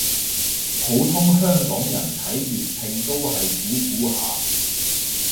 普通香港人睇粵拼都係估估下